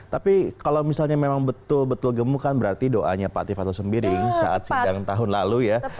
tapi kalau misalnya memang betul betul gemuk kan berarti doanya pak tifato sembiring saat sidang tahun lalu ya